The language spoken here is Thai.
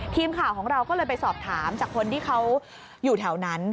ทีมข่าวของเราก็เลยไปสอบถามจากคนที่เขาอยู่แถวนั้น